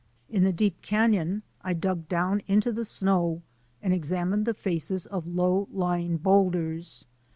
In the deep canon I dug down into the snow and examined the faces of low lying boulders.